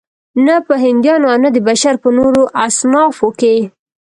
نه په هندیانو او نه د بشر په نورو اصنافو کې.